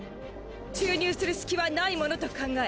注入する隙はないものと考え